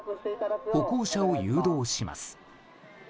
歩行者を誘導します。